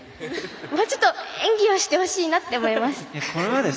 もうちょっと演技してほしいなと思います。